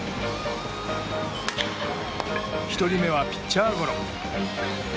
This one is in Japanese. １人目はピッチャーゴロ。